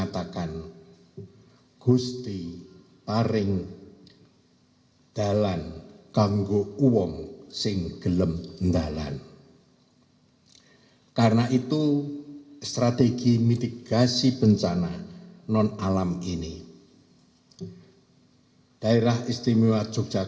dan juga yang beritahu yang tidak beritahu